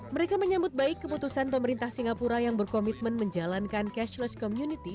mereka menyambut baik keputusan pemerintah singapura yang berkomitmen menjalankan cashless community